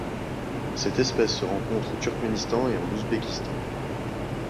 Cette espèce se rencontre au Turkménistan et en Ouzbékistan.